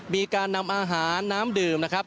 มีการนำอาหารน้ำดื่มนะครับ